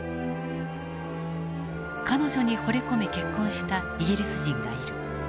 彼女にほれ込み結婚したイギリス人がいる。